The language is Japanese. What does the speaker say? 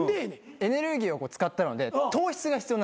エネルギーを使ったので糖質が必要になってくる。